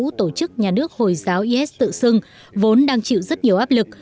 tổ chức nhà nước hồi giáo is tự xưng vốn đang chịu rất nhiều áp lực